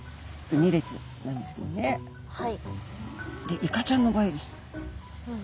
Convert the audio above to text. でイカちゃんの場合です。